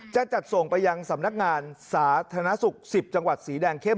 จะจัดส่งไปยังสำนักงานสาธารณสุข๑๐จังหวัดสีแดงเข้ม